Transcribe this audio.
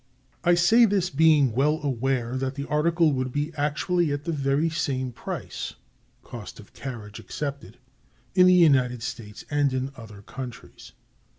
I say this, being well aware that the article would be actually at the very same price (cost of carriage excepted) in the United States and in other countries.